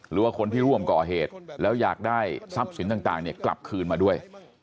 หรือว่าคนที่ร่วมก่อเหตุแล้วอยากได้ทรัพย์สินต่างกลับคืนมาด้วย